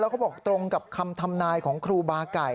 แล้วเขาบอกตรงกับคำธรรมนายของครูบาไก่